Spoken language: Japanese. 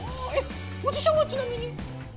ポジションはちなみに？